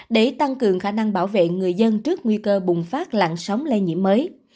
để tăng cường khả năng bảo vệ người dân trước nguy cơ bùng phát lặn sóng lây nhiễm mới